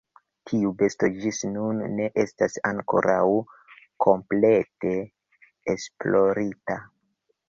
Tiu besto ĝis nun ne estas ankoraŭ komplete esplorita.